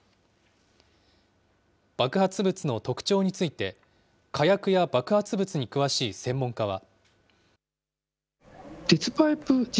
爆発物の特徴について、火薬や爆発物に詳しい専門家は。